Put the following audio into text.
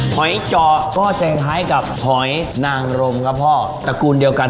หอยเจาะก็จะคล้ายกับหอยนางรมครับพ่อตระกูลเดียวกัน